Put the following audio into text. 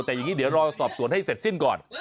แต่อย่างนี้เดี๋ยวรอสอบสวนให้เสร็จสิ้นก่อน